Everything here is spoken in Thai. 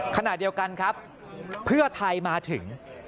ขณะเดียวกันครับเพื่อไทยมาถึง